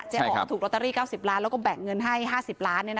อ๋อถูกลอตเตอรี่๙๐ล้านแล้วก็แบ่งเงินให้๕๐ล้าน